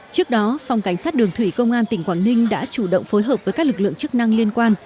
trước đó phòng cảnh sát đường thủy công an tỉnh quảng ninh đã chủ động phối hợp với các lực lượng chức năng liên quan